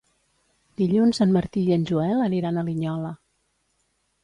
Dilluns en Martí i en Joel aniran a Linyola.